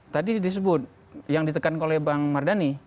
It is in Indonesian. tadi disebut yang ditekan oleh bang mardhani